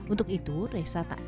untuk itu resa tak ikut